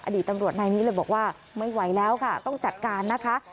ดีตำรวจนายนี้เลยบอกว่าไม่ไหวแล้วค่ะต้องจัดการนะคะ